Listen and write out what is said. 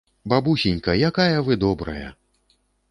Бабусенька, якая вы добрая!